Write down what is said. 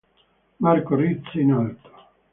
Marco rise in alto.